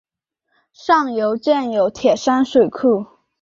上游建有铁山水库。